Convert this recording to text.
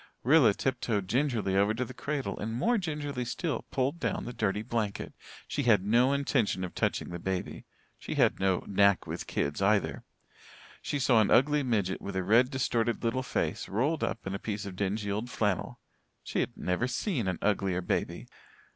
Rilla tiptoed gingerly over to the cradle and more gingerly still pulled down the dirty blanket. She had no intention of touching the baby she had no "knack with kids" either. She saw an ugly midget with a red, distorted little face, rolled up in a piece of dingy old flannel. She had never seen an uglier baby.